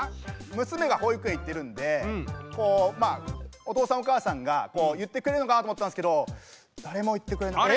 娘が保育園行ってるんでお父さんお母さんが言ってくれるのかなと思ったんすけど誰も言ってくれなかった。